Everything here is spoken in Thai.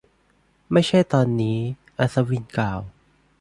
ไม่ใช่ตอนนี้ อัศวินกล่าว